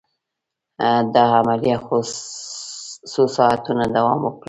دا عملیه څو ساعته دوام کوي.